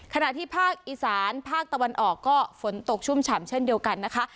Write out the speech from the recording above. ขณะที่ภาคอีสานภาคตะวันออกก็ฝนตกชุ่มฉ่ำเช่นเดียวกันนะคะ